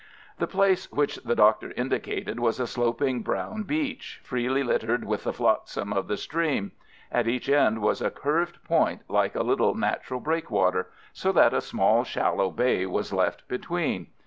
The place which the Doctor indicated was a sloping brown beach, freely littered with the flotsam of the stream. At each end was a curved point, like a little natural breakwater, so that a small shallow bay was left between.